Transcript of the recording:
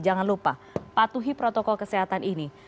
jangan lupa patuhi protokol kesehatan ini